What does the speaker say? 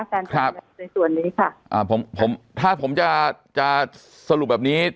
การจ่ายในส่วนนี้ค่ะถ้าผมจะสรุปแบบนี้